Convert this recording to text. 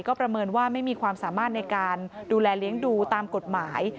ก็ประเมินว่าไม่มีความสามารถในการดูแลเลี้ยงดูตามกฎหมาย